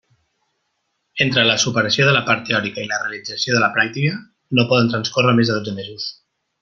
Entre la superació de la part teòrica i la realització de la pràctica, no poden transcórrer més de dotze mesos.